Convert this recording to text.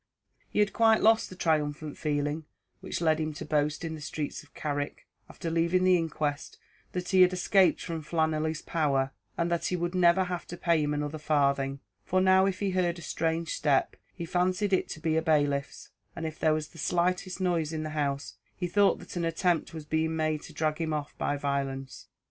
He had quite lost the triumphant feeling which led him to boast in the streets of Carrick, after leaving the inquest, that he had escaped from Flannelly's power, and that he would never have to pay him another farthing; for now if he heard a strange step, he fancied it to be a bailiff's, and if there was the slightest noise in the house, he thought that an attempt was being made to drag him off by violence.